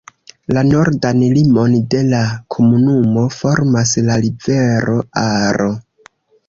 La nordan limon de la komunumo formas la rivero Aro.